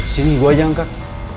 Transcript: sini gue aja angkat